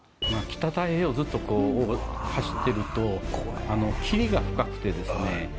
北太平洋をずっと走ってると霧が深くてですね